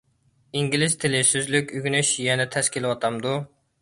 ئىنگلىز تىلى سۆزلۈك ئۆگىنىش يەنە تەس كېلىۋاتامدۇ؟